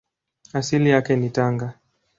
Asili yake ni Tanga.